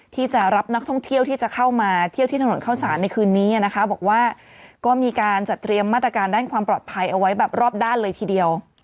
ที่จะรับนักท่องเที่ยวที่จะเข้ามาเที่ยวที่ถนนเข้าสารในคืนนี้นะคะบอกว่าก็มีการจัดเตรียมมาตรการด้านความปลอดภัยเอาไว้แบบรอบด้านเลยทีเดียว